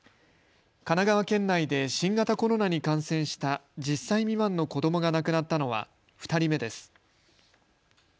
神奈川県内で新型コロナに感染した１０歳未満の子どもが亡くなったのは２人目です。